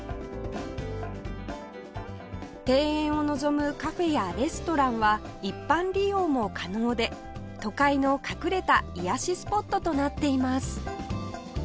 庭園を望むカフェやレストランは一般利用も可能で都会の隠れた癒やしスポットとなっています